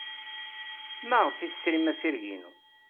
Maɣef ay tesrim assireg-inu?